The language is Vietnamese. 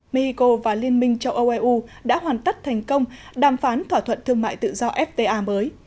mexico và liên minh châu âu eu đã hoàn tất thành công đàm phán thỏa thuận thương mại tự do fta mới